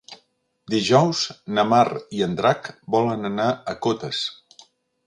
Dijous na Mar i en Drac volen anar a Cotes.